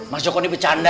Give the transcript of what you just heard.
mas joko ini bercanda